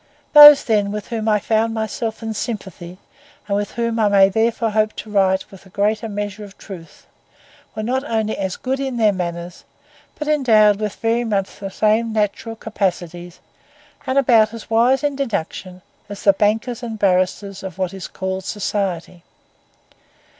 Those, then, with whom I found myself in sympathy, and of whom I may therefore hope to write with a greater measure of truth, were not only as good in their manners, but endowed with very much the same natural capacities, and about as wise in deduction, as the bankers and barristers of what is called society.